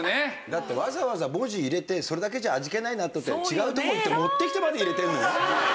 だってわざわざ文字入れてそれだけじゃ味気ないなと思って違うところいって持ってきてまで入れてるのよ？